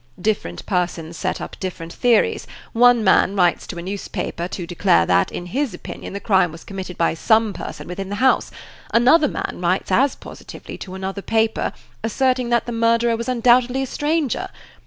Different persons set up different theories: one man writes to a newspaper to declare that, in his opinion, the crime was committed by some person within the house; another man writes as positively to another paper, asserting Page 180 that the murderer was undoubtedly a stranger.